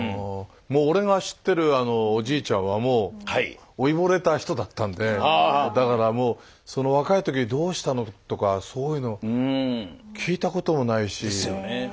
もう俺が知ってるおじいちゃんはもう老いぼれた人だったんでだからもうその若い時にどうしたのとかそういうの聞いたこともないし。ですよね。